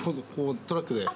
トラックで。